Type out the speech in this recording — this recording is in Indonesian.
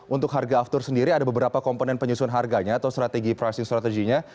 untuk harga aftur sendiri ada beberapa komponen penyusun harganya atau strategi pricing strategy nya